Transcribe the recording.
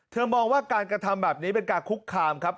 มองว่าการกระทำแบบนี้เป็นการคุกคามครับ